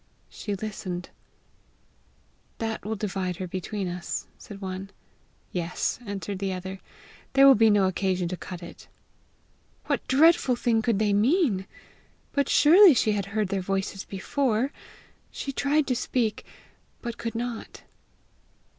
She listened: "That will divide her between us," said one. "Yes," answered the other; "there will be no occasion to cut it!" What dreadful thing could they mean? But surely she had heard their voices before! She tried to speak, but could not.